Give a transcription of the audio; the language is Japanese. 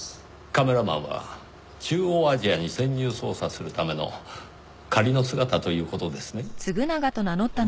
カメラマンは中央アジアに潜入捜査するための仮の姿という事ですね？